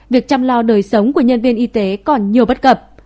việc chăm lo đời sống của nhân viên y tế còn nhiều bất cập